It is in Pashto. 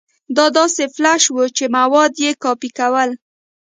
دا داسې فلش و چې مواد يې کاپي کول.